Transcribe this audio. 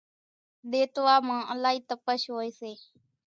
ۮيتوا مان الائي تپش ھوئي سي